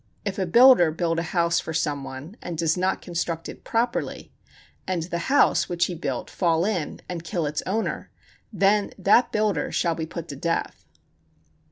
If a builder build a house for some one, and does not construct it properly, and the house which he built fall in and kill its owner, then that builder shall be put to death.